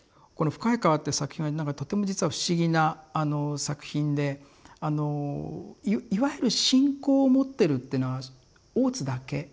この「深い河」って作品はなんかとても実は不思議な作品であのいわゆる信仰を持ってるってのは大津だけ。